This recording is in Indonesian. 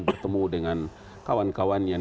bertemu dengan kawan kawan yang